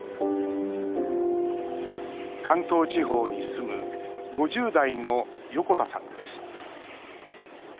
関東地方に住む５０代の横田さんです。